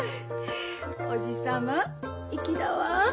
おじ様粋だわ。